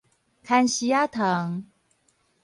牽絲仔糖